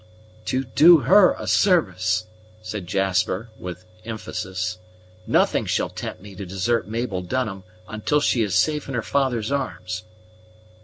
"To do her a service!" said Jasper with emphasis. "Nothing shall tempt me to desert Mabel Dunham until she is safe in her father's arms."